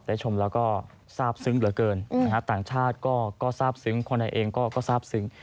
ชมแล้วก็ทราบซึ้งเหลือเกินต่างชาติก็ทราบซึ้งคนไทยเองก็ทราบซึ้ง